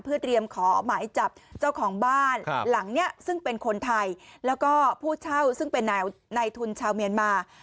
เพื่อเตรียมขอหมายจับเจ้าของบ้านหลังนี้ซึ่งเป็นคนไทยแล้วก็ผู้เช่าซึ่งเป็นในทุนชาวเมียนมา